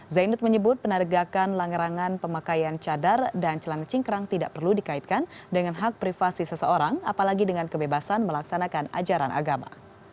zainud menyebut penegakan langgerangan pemakaian cadar dan celana cingkrang tidak perlu dikaitkan dengan hak privasi seseorang apalagi dengan kebebasan melaksanakan ajaran agama